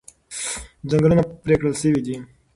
ځنګلونه پرې کړل شوي دي.